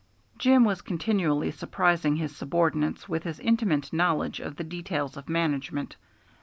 Jim was continually surprising his subordinates with his intimate knowledge of the details of management.